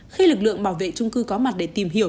khi lực lượng bảo vệ trung cư có mặt để tìm hiểu